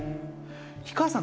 氷川さん